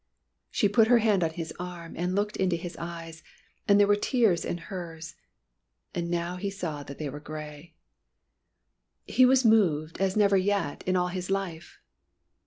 She put her hand on his arm, and looked up into his eyes. And there were tears in hers. And now he saw that they were grey. He was moved as never yet in all his life.